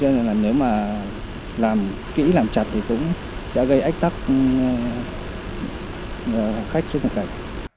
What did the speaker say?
nên là nếu mà làm kỹ làm chặt thì cũng sẽ gây ách tắc khách xuất dịch cảnh